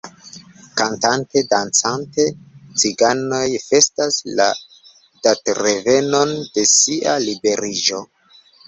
Kantante, dancante, ciganoj festas la datrevenon de sia liberiĝo.